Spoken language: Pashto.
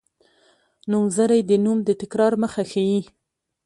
نومځری د نوم د تکرار مخه ښيي.